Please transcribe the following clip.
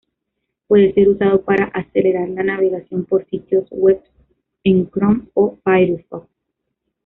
Puede ser usado para acelerar la navegación por sitios webs en Chrome o Firefox.